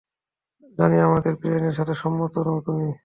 জানি আমাদের প্ল্যানের সাথে সম্মত নও তুমি।